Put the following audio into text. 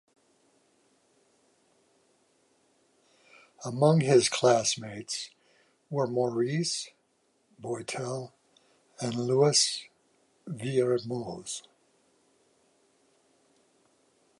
Among his classmates were Maurice Boitel and Louis Vuillermoz.